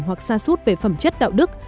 hoặc xa xút về phẩm chất đạo đức